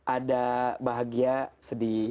ada bahagia sehat dan kebaikan